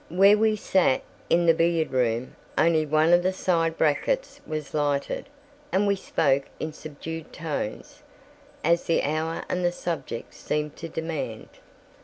Where we sat, in the billiard room, only one of the side brackets was lighted, and we spoke in subdued tones, as the hour and the subject seemed to demand.